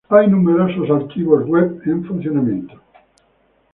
Hay numerosos archivos web en funcionamiento.